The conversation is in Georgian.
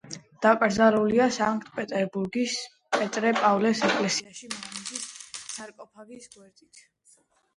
დაკრძალულია სანქტ-პეტერბურგის პეტრე-პავლეს ეკლესიაში, მამამისის სარკოფაგის გვერდით.